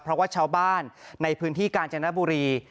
เพราะว่าชาวบ้านในพื้นที่กาญจนบุรี